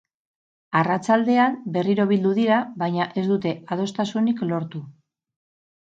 Arratsaldean berriro bildu dira, baina ez dute adostasunik lortu.